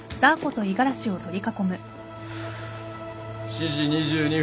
７時２２分